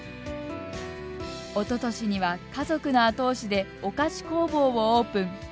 おととしには家族の後押しで、お菓子工房をオープン。